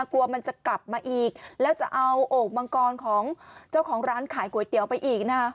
กลัวมันจะกลับมาอีกแล้วจะเอาโอ่งมังกรของเจ้าของร้านขายก๋วยเตี๋ยวไปอีกนะ